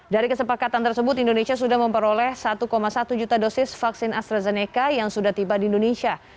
dari kesepakatan tersebut indonesia sudah memperoleh satu satu juta dosis vaksin astrazeneca yang sudah tiba di indonesia